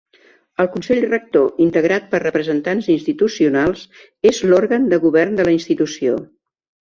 El Consell Rector, integrat per representants institucionals, és l'òrgan de govern de la Institució.